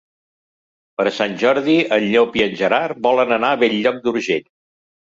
Per Sant Jordi en Llop i en Gerard volen anar a Bell-lloc d'Urgell.